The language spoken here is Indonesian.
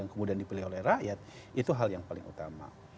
yang kemudian dipilih oleh rakyat itu hal yang paling utama